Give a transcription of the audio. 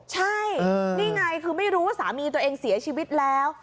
ใช่นี่ไงคือไม่รู้ว่าสามีตัวเองเสียชีวิตแล้ว